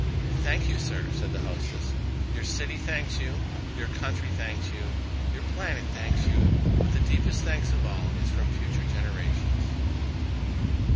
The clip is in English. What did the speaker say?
"Thank you, sir," said the hostess. "Your city thanks you; your country thanks you; your planet thanks you. But the deepest thanks of all is from future generations."